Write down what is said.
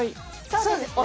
そうですね。